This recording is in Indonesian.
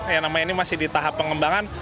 yang namanya ini masih di tahap pengembangan